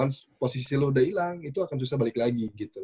kalau posisi lo udah hilang itu akan susah balik lagi gitu